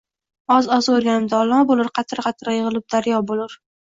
Oz-oz o'rganib dono bo'lur, qatra-qatra yig'ilib daryo bo'lur.